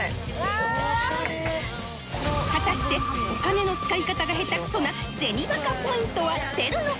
果たしてお金の使い方が下手くそな銭バカポイントは出るのか？